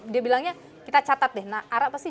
dia bilangnya kita catat deh nah ara pasti